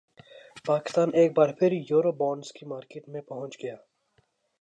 پاکستان ایک بار پھر یورو بانڈز کی مارکیٹ میں پہنچ گیا